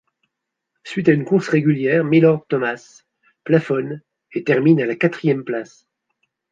Suite à une course régulière Milord Thomas plafonne et termine à la quatrième place.